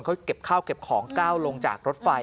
เขาเก็บข้าวเก็บของก้าวลงจากรถไฟ